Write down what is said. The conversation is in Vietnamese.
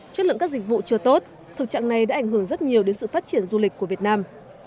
chất lượng các dịch vụ chưa tốt thực trạng này đã ảnh hưởng rất nhiều đến sự phát triển du lịch của việt nam